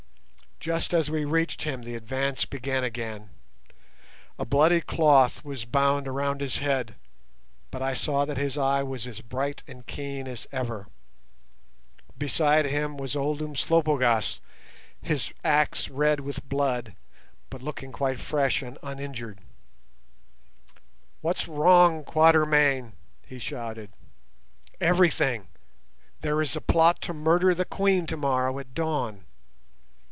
Just as we reached him the advance began again. A bloody cloth was bound around his head, but I saw that his eye was as bright and keen as ever. Beside him was old Umslopogaas, his axe red with blood, but looking quite fresh and uninjured. "What's wrong, Quatermain?" he shouted. "Everything. There is a plot to murder the Queen tomorrow at dawn.